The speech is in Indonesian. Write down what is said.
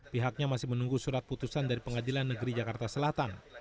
pihaknya masih menunggu surat putusan dari pengadilan negeri jakarta selatan